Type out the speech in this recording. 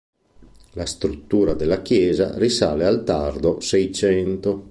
La struttura della chiesa risale al tardo seicento.